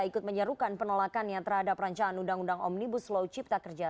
ikut menyerukan penolakan yang terhadap perancangan undang undang omnibus low chips tak kerja